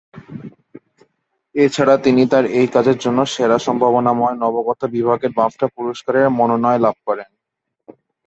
এছাড়া তিনি তার এই কাজের জন্য সেরা সম্ভাবনাময় নবাগত বিভাগে বাফটা পুরস্কারের মনোনয়ন লাভ করেন।